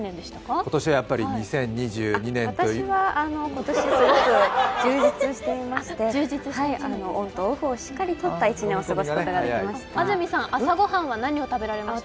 今年はやっぱり２０２２年今年は充実しておりましてオンとオフをしっかりとった１年を過ごすことができました。